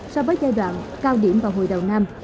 so với giai đoạn cao điểm vào hồi đầu năm